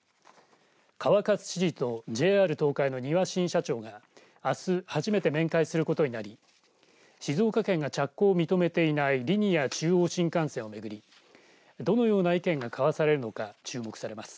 川勝知事とＪＲ東海の丹羽新社長があす初めて面会することになり静岡県が着工を認めていないリニア中央新幹線を巡りどのような意見が交わされるのか注目されます。